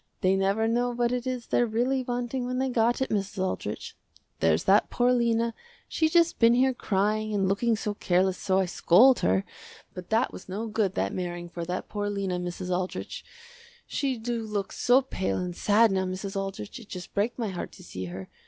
They never know what it is they're really wanting when they got it, Mrs. Aldrich. There's that poor Lena, she just been here crying and looking so careless so I scold her, but that was no good that marrying for that poor Lena, Mrs. Aldrich. She do look so pale and sad now Mrs. Aldrich, it just break my heart to see her.